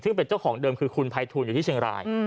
ซึ่งเป็นเจ้าของเดิมคือคุณภัยทูลอยู่ที่เชียงราย